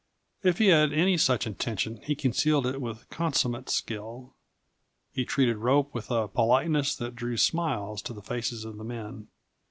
If he had any such intention he concealed it with consummate skill. He treated Rope with a politeness that drew smiles to the faces of the men.